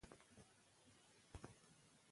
د پښتنو مېړانه به تل په تاریخ کې لیکل کېږي.